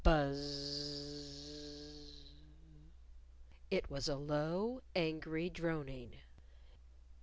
Buzz z z z! It was a low, angry droning.